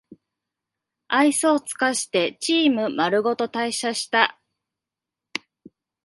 愛想つかしてチームまるごと退社した